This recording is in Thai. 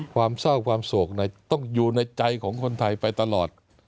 ความเศร้าความโศกต้องอยู่ในใจของคนไทยไปตลอด